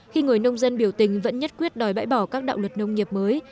khi người nông dân biểu tình vẫn nhất quyết đòi bãi bỏ các đạo luật nông nghiệp mới